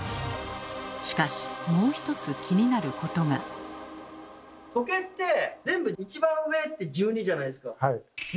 しかしもう一つ時計って全部一番上って「１２」じゃないですか。